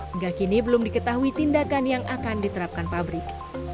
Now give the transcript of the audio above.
hingga kini belum diketahui tindakan yang akan diterapkan pabrik